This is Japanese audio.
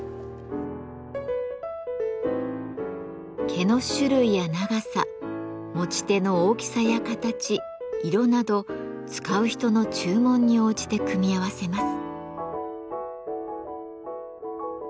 毛の種類や長さ持ち手の大きさや形色など使う人の注文に応じて組み合わせます。